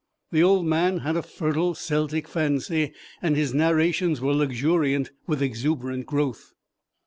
The old man had a fertile Celtic fancy, and his narrations were luxuriant with exuberant growth.